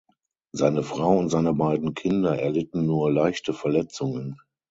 Seine Frau und seine beiden Kinder erlitten nur leichte Verletzungen.